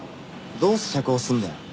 どうして釈放すんだよ？